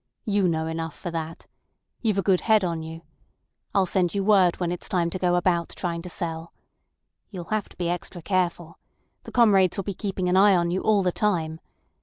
You know enough for that. You've a good head on you. I'll send you word when it's time to go about trying to sell. You'll have to be extra careful. The comrades will be keeping an eye on you all the time.